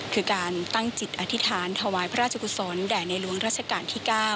คือการตั้งจิตอธิษฐานถวายพระราชกุศลแด่ในหลวงราชการที่๙